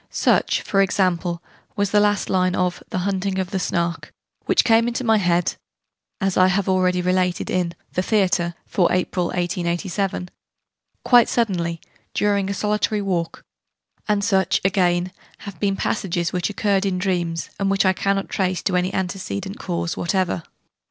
Such, for example, was the last line of 'The Hunting of the Snark,' which came into my head (as I have already related in 'The Theatre' for April, 1887) quite suddenly, during a solitary walk: and such, again, have been passages which occurred in dreams, and which I cannot trace to any antecedent cause whatever.